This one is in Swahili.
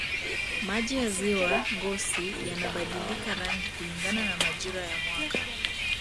maji ya ziwa ngosi yanabadilika rangi kulingana na majira ya mwaka